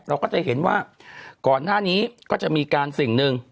เราก็จะเห็นว่าก่อนหน้านี้ก็จะมีการสิ่งหนึ่ง